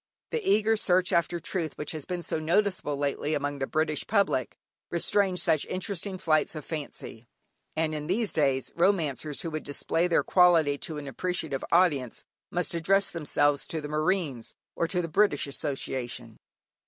The eager search after truth which has been so noticeable lately among the British public, restrains such interesting flights of fancy, and in these days, romancers who would display their quality to an appreciative audience, must address themselves to the Marines, or to the British Association.